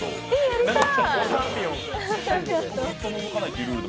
やりたい！